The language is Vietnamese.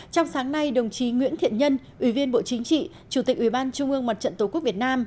trong sáng nay đồng chí nguyễn thiện nhân ủy viên bộ chính trị chủ tịch ủy ban trung ương mặt trận tổ quốc việt nam